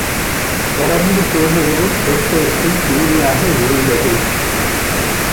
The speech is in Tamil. தொடர்ந்து பேசுவது கேட்பதற்கு இனிமையாக இருந்தது.